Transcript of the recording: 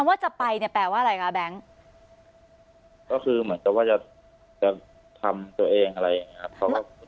ว่าจะไปเนี่ยแปลว่าอะไรคะแบงค์ก็คือเหมือนกับว่าจะจะทำตัวเองอะไรอย่างเงี้ครับ